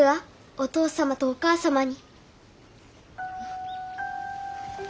お父様とお母様に。